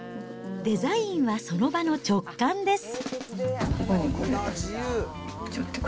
デザインはその場の直感です。